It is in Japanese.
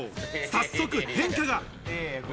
早速変化が。